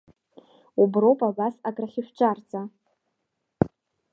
Уброуп абас акрахьышәҿарҵа?!